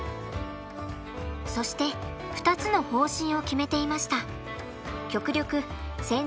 そして２つの方針を決めていました。